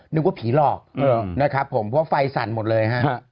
นึกว่าผีหลอกนะครับผมเพราะไฟสั่นหมดเลยฮะ